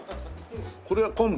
これは昆布？